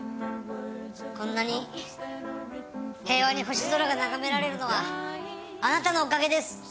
こんなに平和に星空が眺められるのはあなたのおかげです。